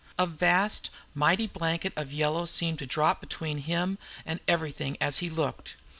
A vast, mighty blanket of yellow seemed to be dropped between him and everything as he looked.